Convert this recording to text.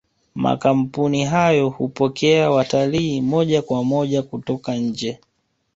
makampuni hayo hupokea watalii moja kwa moja kutoka nje